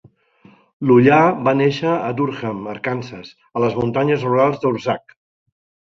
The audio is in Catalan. Lollar va néixer a Durham (Arkansas), a les muntanyes rurals d'Ozark.